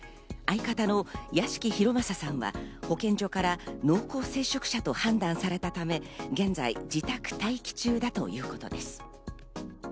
相方の屋敷裕政さんは保健所から濃厚接触者と判断されたため、現在自宅待機中だということです。